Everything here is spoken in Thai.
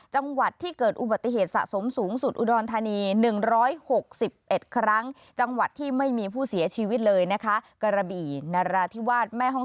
จังหวัดที่เกิดอุบัติเหตุสะสมสูงสุดอุดรธานี๑๖๑ครั้ง